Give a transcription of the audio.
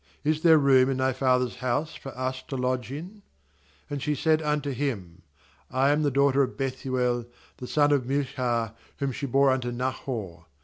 Is there room in thy father's house for us to lodge in?' MAnd she said unto him: 'I am the daughter of Bethud the son of. Milcah, whom she bore unto Nahor.'